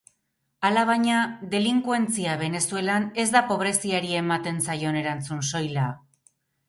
Alabaina, delinkuentzia, Venezuelan, ez da pobreziari ematen zaion erantzun soila.